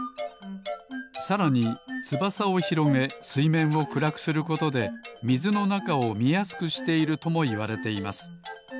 さらにつばさをひろげすいめんをくらくすることでみずのなかをみやすくしているともいわれています。